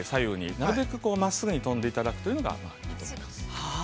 なるべく真っすぐに跳んでいただくというのがポイントです。